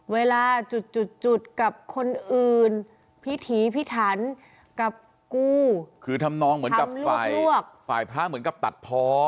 เวลาจุดจุดจุดกับคนอื่นพิถีพิถันกับกูคือทำนองเหมือนกับฝ่ายพวกฝ่ายพระเหมือนกับตัดพอ